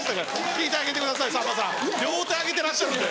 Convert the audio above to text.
聞いてあげてくださいさんまさん両手挙げてらっしゃるんで。